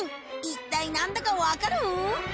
一体何だか分かる？